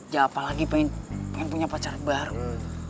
ya apalagi pengen punya pacar baru